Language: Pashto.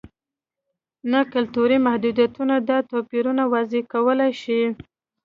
نه کلتوري محدودیتونه دا توپیرونه واضح کولای شي.